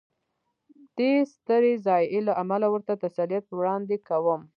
دې سترې ضایعې له امله ورته تسلیت وړاندې کوم.